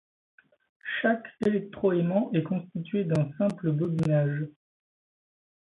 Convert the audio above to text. Chaque électroaimant est constitué d'un simple bobinage.